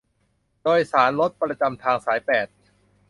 โดยสารรถประจำทางสายแปด